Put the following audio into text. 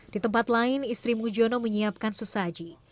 di tempat lain istri mujono menyiapkan sesaji